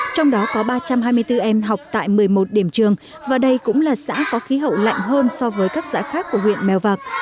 trong đó có ba trăm hai mươi bốn em học tại một mươi một điểm trường và đây cũng là xã có khí hậu lạnh hơn so với các xã khác của huyện mèo vạc